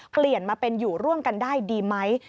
เปลี่ยนมาเป็นอยู่ร่วมกันได้ดีไหม